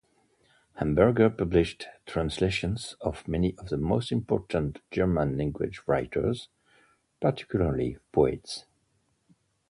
Hamburger published translations of many of the most important German-language writers, particularly poets.